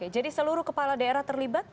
jadi seluruh kepala daerah terlibat